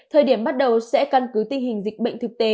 thời điểm bắt đầu sẽ căn cứ tình hình dịch bệnh thực tế